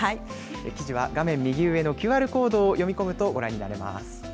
記事は画面右上のＱＲコードを読み込むとご覧になれます。